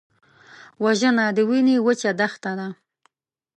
وژنه د وینې وچه دښته ده